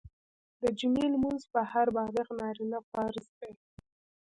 د جمعي لمونځ په هر بالغ نارينه فرض دی